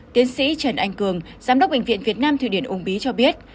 tiến sĩ trần anh cường giám đốc bệnh viện việt nam thụy điển ung bí cho biết